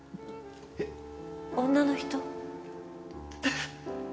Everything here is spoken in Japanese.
女の人？